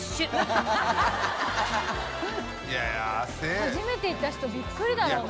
初めて行った人びっくりだろうな。